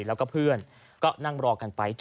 แล้วก็เพื่อนก็นั่งรอกันไป